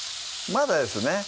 まだですね